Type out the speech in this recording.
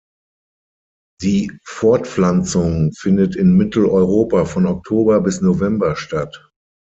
Die Fortpflanzung findet in Mitteleuropa von Oktober bis November statt.